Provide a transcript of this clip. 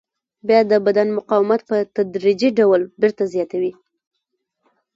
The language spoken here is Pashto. بیا د بدن مقاومت په تدریجي ډول بېرته زیاتوي.